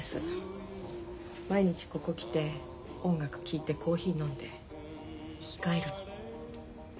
毎日ここ来て音楽聴いてコーヒー飲んで生き返るの。